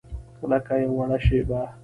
لکه یوه وړه شیبه